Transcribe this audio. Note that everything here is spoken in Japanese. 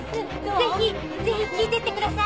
ぜひぜひ聴いてってください！